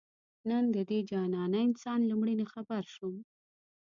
نن د دې جانانه انسان له مړیني خبر شوم